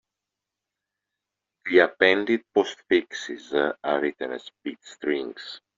The appended postfixes are written as bit strings.